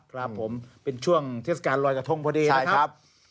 ครับผมเป็นช่วงเทศกาลลอยกระทงพอดีนะครับ